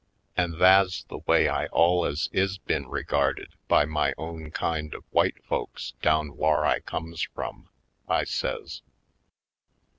An' tha's the way I alluz is been reguarded by my own kind of w'ite folks down whar I comes frum," I says.